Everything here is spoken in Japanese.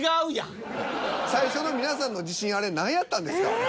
最初の皆さんの自信あれ何やったんですか？